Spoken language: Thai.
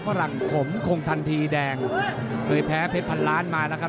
ฝรั่งขมคงทันทีแดงเคยแพ้เพชรพันล้านมาแล้วครับ